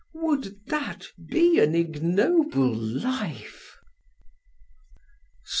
Would that be an ignoble life?'